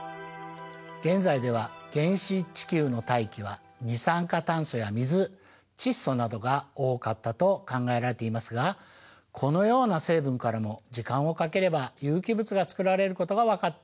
現在では原始地球の大気は二酸化炭素や水窒素などが多かったと考えられていますがこのような成分からも時間をかければ有機物がつくられることが分かっています。